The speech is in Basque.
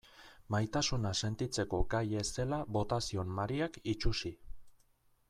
Maitasuna sentitzeko gai ez zela bota zion Mariak itsusi.